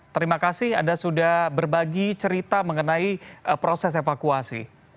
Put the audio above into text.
terima kasih anda sudah berbagi cerita mengenai proses evakuasi